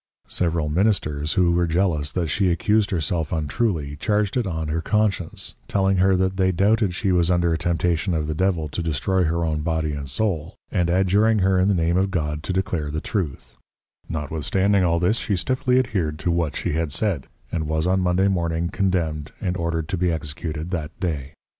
Several Ministers who were jealous that she accused herself untruly, charged it on her Conscience, telling her that they doubted she was under a Temptation of the Devil to destroy her own Body and Soul, and adjuring her in the Name of God to declare the Truth: Notwithstanding all this, she stifly adhered to what she had said, and was on Monday morning Condemned, and ordered to be Executed that day.